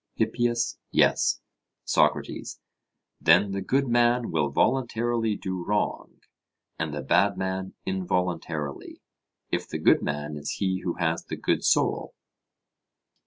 HIPPIAS: Yes. SOCRATES: Then the good man will voluntarily do wrong, and the bad man involuntarily, if the good man is he who has the good soul?